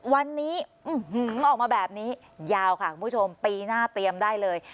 วันนี้ออกมาแบบนี้ยาวค่ะคุณผู้ชมปีหน้าเตรียมได้เลย